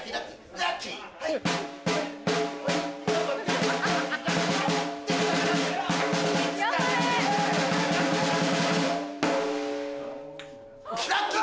ラッキー！